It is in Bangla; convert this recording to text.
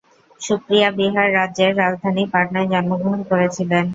সুপ্রিয়া বিহার রাজ্যের রাজধানী পাটনায় জন্মগ্রহণ করেছিলেন।